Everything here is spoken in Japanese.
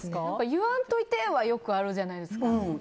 言わんといて！はよくあるじゃないですか。